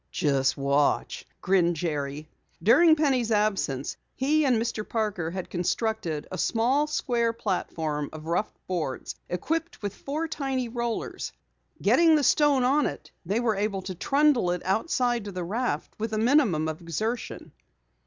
"Just watch," grinned Jerry. During Penny's absence, he and Mr. Parker had constructed a small square platform of rough boards, equipped with four tiny rollers. Getting the stone on it, they were able to trundle it outside to the raft with a minimum of exertion.